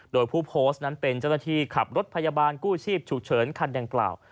โดยผู้โพสต์นั้นเป็นเจ้าหน้าที่ขับรถพยาบาลกู้ชีพฉุกเฉินคันดังกล่าว